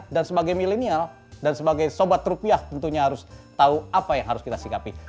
dan sebagai milenial dan sebagai sobat rupiah tentunya harus tahu apa yang harus kita sikapi